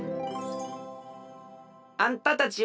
あんたたちは？